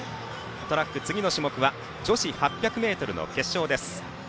トラック次の種目は女子８００ｍの決勝です。